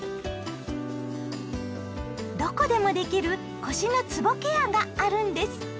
どこでもできる腰のつぼケアがあるんです！